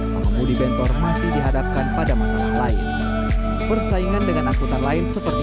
pengemudi bentor masih dihadapkan pada masalah lain persaingan dengan angkutan lain seperti